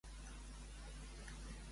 A esquelles tapades.